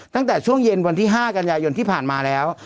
ตั้งแต่ช่วงเย็นวันที่๕กันยายนที่ผ่านมาแล้ว